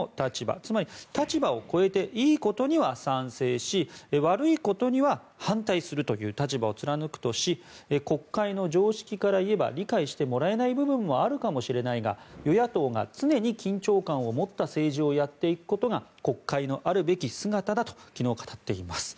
つまり、立場を超えていいことには賛成し悪いことには反対するという立場を貫くとし国会の常識からいえば理解してもらえない部分もあるかもしれないが与野党が常に緊張感を持った政治をやっていくことが国会のあるべき姿だと昨日、語っています。